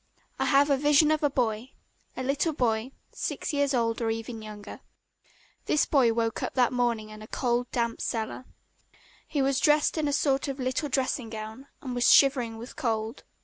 I have a vision of a boy, a little boy, six years old or even younger. This boy woke up that morning in a cold damp cellar. He was dressed in a sort of little dressing gown and was shivering with cold.